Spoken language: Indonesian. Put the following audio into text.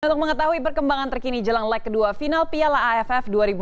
untuk mengetahui perkembangan terkini jelang leg kedua final piala aff dua ribu enam belas